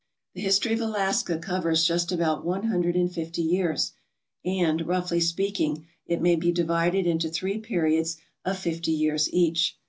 The history of Alaska covers just about one hundred and fifty years, and, roughly speaking, it may be divided into three periods of fifty years each.